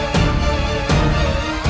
raja ibu nda